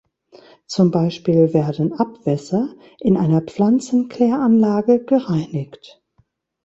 Zum Beispiel werden Abwässer in einer Pflanzenkläranlage gereinigt.